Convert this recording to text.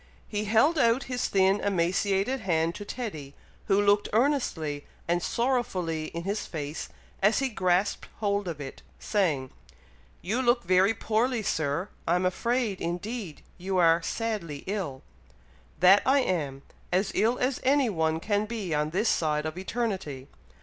He held out his thin emaciated hand to Teddy, who looked earnestly and sorrowfully in his face as he grasped hold of it, saying, "You look very poorly, Sir! I'm afraid, indeed, you are sadly ill." "That I am! as ill as any one can be on this side of eternity!